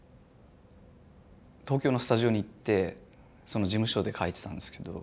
東京のスタジオに行ってその事務所で書いてたんですけど。